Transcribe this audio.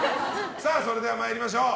それでは参りましょう。